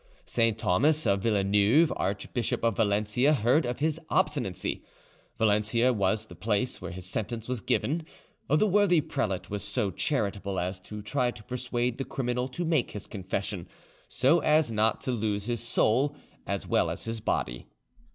Saint Thomas of Villeneuve, Archbishop of Valencia, heard of his obstinacy. Valencia was the place where his sentence was given. The worthy prelate was so charitable as to try to persuade the criminal to make his confession, so as not to lose his soul as well as his body.